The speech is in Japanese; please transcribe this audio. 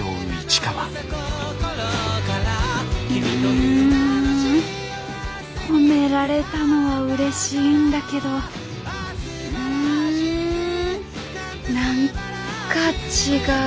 ん褒められたのはうれしいんだけどん何か違う。